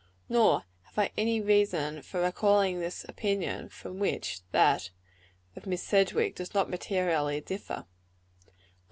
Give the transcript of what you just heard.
Nor have I any reason for recalling this opinion; from which that of Miss Sedgwick does not materially differ.